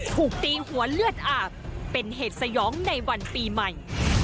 ถูกตีหัวเลือดอาบเป็นเหตุสยองในวันปีใหม่